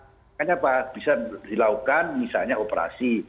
makanya apa bisa dilakukan misalnya operasi